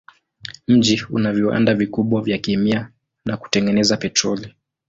Mji una viwanda vikubwa vya kemia na kutengeneza petroli.